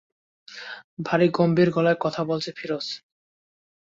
ভারি গম্ভীর গলায় কথা বলছে ফিরোজ।